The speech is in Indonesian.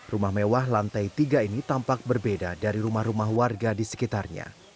rumah mewah lantai tiga ini tampak berbeda dari rumah rumah warga di sekitarnya